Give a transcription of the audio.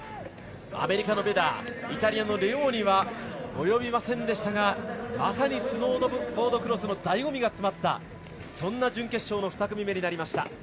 アメリカのベダーイタリアのレオーニは及びませんでしたがまさにスノーボードクロスのだいご味が詰まったそんな準決勝の２組目でした。